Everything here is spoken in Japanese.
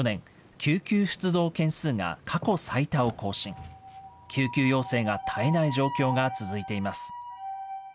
救急要請が絶えない状況が続いています。